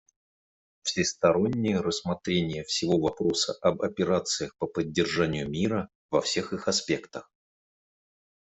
Всестороннее рассмотрение всего вопроса об операциях по поддержанию мира во всех их аспектах.